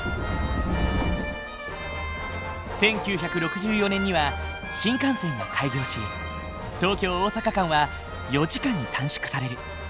１９６４年には新幹線が開業し東京大阪間は４時間に短縮される。